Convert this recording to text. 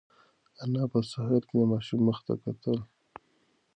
انا په سهار کې د ماشوم مخ ته کتل.